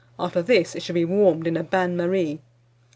After this, it should be warmed in a bain marie.